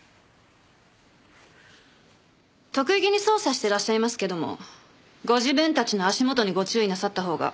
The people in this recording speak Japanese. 得意げに捜査してらっしゃいますけどもご自分たちの足元にご注意なさったほうが。